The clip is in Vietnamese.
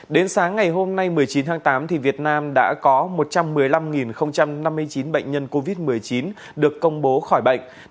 đến sáng ngày hôm nay một mươi chín tháng tám việt nam đã có một trăm một mươi năm năm mươi chín bệnh nhân covid một mươi chín được công bố khỏi bệnh